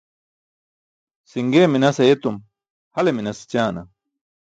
Si̇ṅgee minas ayetum hale minas mene écaana.